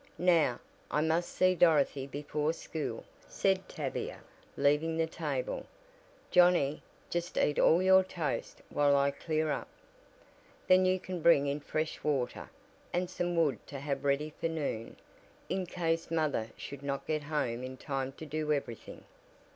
"Now, I must see Dorothy before school," said Tavia, leaving the table. "Johnnie, just eat all your toast while I clear up. Then you can bring in fresh water, and some wood to have ready for noon, in case mother should not get home in time to do everything."